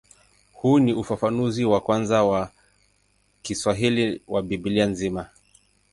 Huu ni ufafanuzi wa kwanza wa Kiswahili wa Biblia nzima.